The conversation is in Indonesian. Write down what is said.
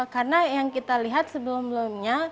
karena yang kita lihat sebelumnya